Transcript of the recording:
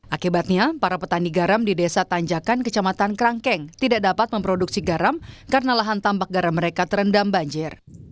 akibatnya para petani garam di desa tanjakan kecamatan kerangkeng tidak dapat memproduksi garam karena lahan tampak garam mereka terendam banjir